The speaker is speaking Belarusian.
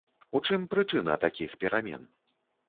У чым прычына такіх перамен?